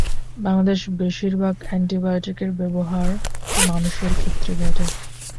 বাংলাদেশে বেশিরভাগ অ্যান্টিবায়োটিকের ব্যবহারই মানুষের ক্ষেত্রে ঘটে।